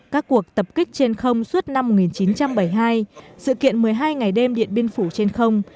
các cuộc tập kích trên không suốt năm một nghìn chín trăm bảy mươi hai sự kiện một mươi hai ngày đêm điện biên phủ trên không